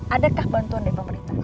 adakah bantuan dari pemerintah